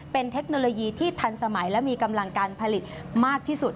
เป็นเทคโนโลยีที่ทันสมัยและมีกำลังการผลิตมากที่สุด